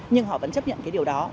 nhưng họ vẫn chấp nhận cái điều đó